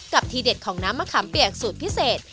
ทีเด็ดของน้ำมะขามเปียกสูตรพิเศษ